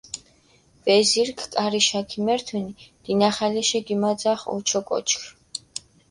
ვეზირქ კარიშა ქიმერთჷნი, დინახალეშე გჷმაძახჷ ოჩოკოჩქ.